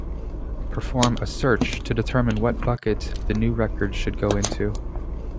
Perform a search to determine what bucket the new record should go into.